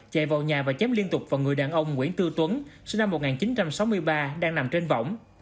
chạy vào nhà và chém liên tục vào người đàn ông nguyễn tư tuấn sinh năm một nghìn chín trăm sáu mươi ba đang nằm trên vỏng